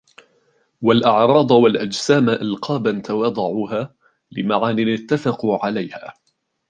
وَالْأَعْرَاضَ وَالْأَجْسَامَ أَلْقَابًا تَوَاضَعُوهَا لِمَعَانٍ اتَّفَقُوا عَلَيْهَا